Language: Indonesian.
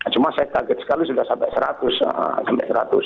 cuma saya kaget sekali sudah sampai rp seratus